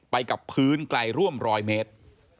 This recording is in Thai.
ไปกับพื้นไกลร่วม๑๐๐เมตร